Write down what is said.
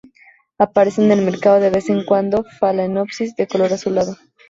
Aparecen en el mercado de vez en cuando "Phalaenopsis" de color azulado.